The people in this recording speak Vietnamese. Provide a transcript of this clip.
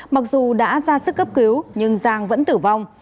mặc dù đã ra sức cấp cứu nhưng giang vẫn tử vong